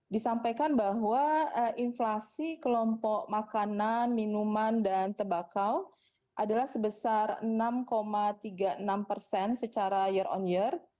disampaikan bahwa inflasi kelompok makanan minuman dan tebakau adalah sebesar enam tiga puluh enam persen secara year on year